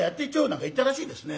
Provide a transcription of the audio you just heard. なんか言ったらしいですね。